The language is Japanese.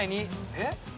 えっ？